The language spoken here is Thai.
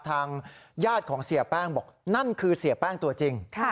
ทางญาติของเสียแป้งบอกนั่นคือเสียแป้งตัวจริง